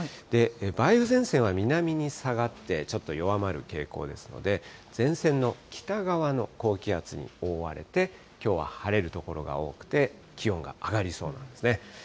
梅雨前線は南に下がってちょっと弱まる傾向ですので、前線の北側の高気圧に覆われて、きょうは晴れる所が多くて、気温が上がりそうなんですね。